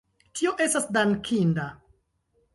Tio estas dankinda.